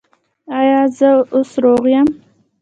ایا زه اوس روغ یم؟